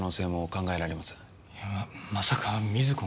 いやまさか瑞子が。